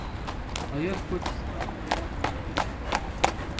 ھايات كوچىسىدا ئاۋايلاپ ماڭايلى !